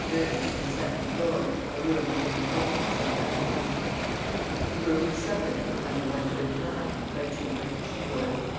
130, on the second floor, a room which had been vacant since that morning. The room was separated from No. 129 by two partition doors.